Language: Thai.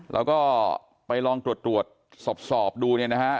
เราก็ไปลองตรวจสอบดูนี่นะฮะ